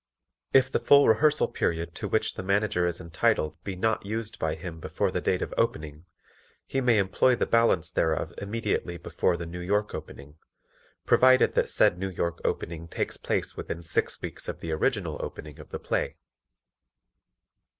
If the full rehearsal period to which the Manager is entitled be not used by him before the date of opening, he may employ the balance thereof immediately before the New York opening, provided that said New York opening takes place within six weeks of the original opening of the play.